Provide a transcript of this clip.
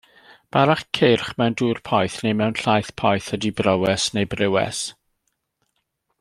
Bara ceirch mewn dŵr poeth neu mewn llaeth poeth ydy brywes neu briwes.